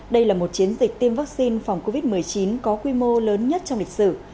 đây là một chiến dịch tiêm vaccine phòng covid một mươi chín có quy mô lớn nhất trong lịch sử